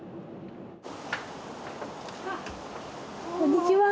あこんにちは。